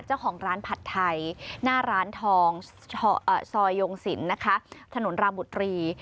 เจ้าของร้านผัดไทยหน้าร้านทองซอยยงศิลป์นะคะถนนราบุตรี